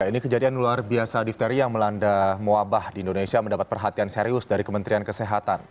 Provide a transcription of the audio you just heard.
ini kejadian luar biasa difteri yang melanda wabah di indonesia mendapat perhatian serius dari kementerian kesehatan